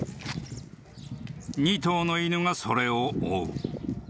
［２頭の犬がそれを追う］